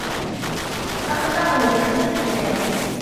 Aql-aɣ nlemmed kan.